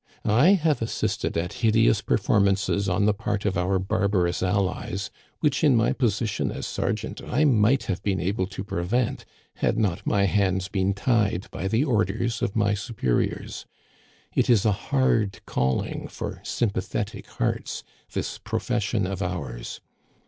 I have assisted at hideous perform ances on the part of our barbarous allies, which in my position as sergeant I might have been able to pre Digitized by VjOOQIC A NIGHT AMONG THE SAVAGES, 195 vent had not my hands been tied by the orders of my superiors. It is a hard calling lor sympathetic hearts, this profession of ours.